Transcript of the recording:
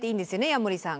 矢守さん。